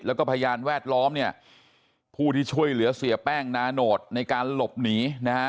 และก็พยานแวดล้อมผู้ที่ช่วยเหลือเสียแป้งนานโนตในการหลบหนี